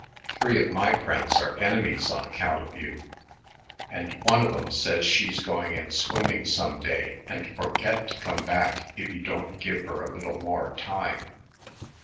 Three of my friends are enemies on account of you, and one of 'em says she's going in swimming some day and forget to come back if you don't give her a little more time."